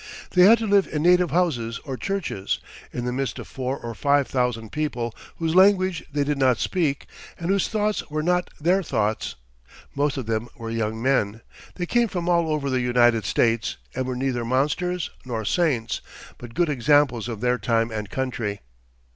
They had to live in native houses or churches, in the midst of four or five thousand people whose language they did not speak, and whose thoughts were not their thoughts. Most of them were young men. They came from all over the United States, and were neither monsters nor saints, but good examples of their time and country.